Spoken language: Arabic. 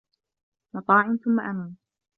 مُطاعٍ ثَمَّ أَمينٍ